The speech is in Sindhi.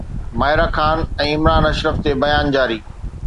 ماهره خان ۽ عمران اشرف تي بيان جاري